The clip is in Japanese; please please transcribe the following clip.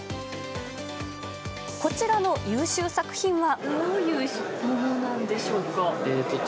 こちらの優秀作品は。